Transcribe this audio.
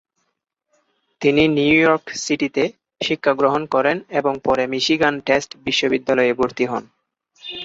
তিনি New York সিটিতে শিক্ষাগ্রহণ করেন এবং পরে মিশিগান স্টেট বিশ্ববিদ্যালয়ে ভর্তি হন।